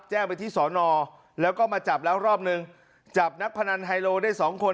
แจ้งไปที่สอนอแล้วก็มาจับแล้วรอบนึงจับนักพนันไฮโลได้สองคน